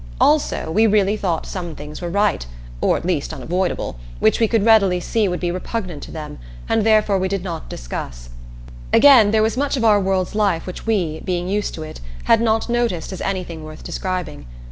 Also, we really thought some things were right, or at least unavoidable, which we could readily see would be repugnant to them, and therefore did not discuss. Again there was much of our world's life which we, being used to it, had not noticed as anything worth describing.